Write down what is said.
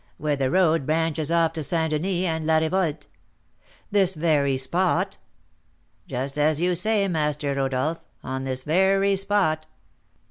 "Where the road branches off to St. Denis and La Revolte." "This very spot!" "Just as you say, Master Rodolph, on this very spot."